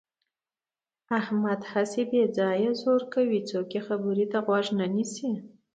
احمد هسې بې ځایه زور کوي. څوک یې خبرې ته غوږ نه نیسي.